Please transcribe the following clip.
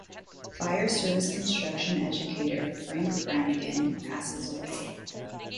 Fire service construction educator Frank Brannigan passes away.